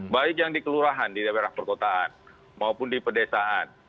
baik yang di kelurahan di daerah perkotaan maupun di pedesaan